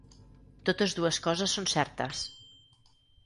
Totes dues coses són certes.